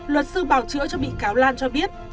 luật sư bảo chữa cho bị cáo lan cho biết